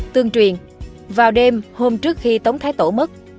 tương truyền vào đêm hôm trước khi tống thái tổ mất